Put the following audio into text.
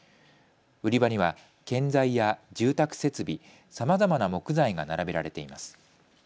売り場には建材や住宅設備、さまざまな木材が並べられています。